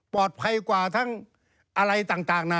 ปลอดภัยกว่าทั้งอะไรต่างนะ